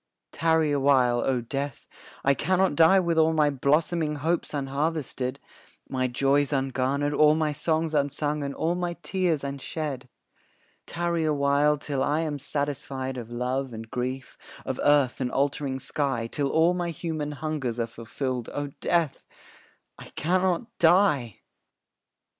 Tarry a while, O Death, I cannot die With all my blossoming hopes unharvested, My joys ungarnered, all my songs unsung, And all my tears unshed. Tarry a while, till I am satisfied Of love and grief, of earth and altering sky; Till all my human hungers are fulfilled, O Death, I cannot die!